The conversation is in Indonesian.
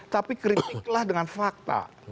tapi kritiklah dengan fakta